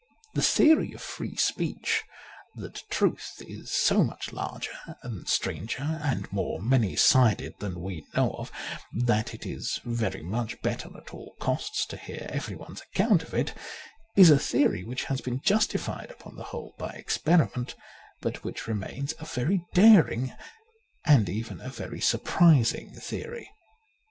The theory of free speech, that truth is so much larger and stranger and more many sided than we know of, that it is very much better at all costs to hear every one's account of it, is a theory which has been justified upon the whole by experiment, but which remains a very daring and even a very surprising theory.